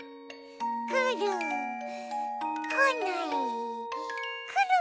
くるこないくる！